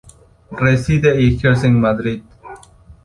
Reside y ejerce en Madrid.